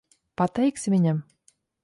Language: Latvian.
Pateiksi viņam?